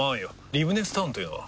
リブネスタウンというのは？